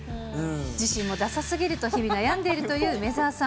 自身もださすぎると日々悩んでいるという梅澤さん。